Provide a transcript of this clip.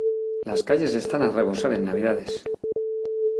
Las calles están a rebosar en navidades.